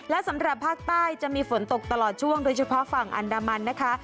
และสำหรับภาคใต้จะมีฝนตกตลอดช่วงโดยเฉพาะฝั่งอันดามันนะคะ